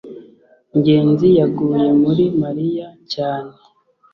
ngenzi yaguye muri mariya cyane